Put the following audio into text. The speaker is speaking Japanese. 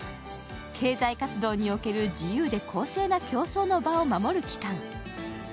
経済活動における自由で公正な競争の場を守る機関。